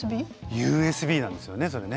ＵＳＢなんですよねそれね。